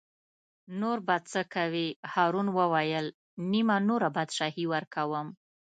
بیا به څه کوې هارون وویل: نیمه نوره بادشاهي ورکووم.